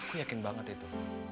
aku yakin banget itu